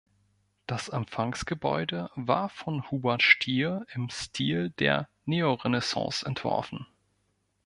Das Empfangsgebäude war von Hubert Stier im Stil der Neorenaissance entworfen.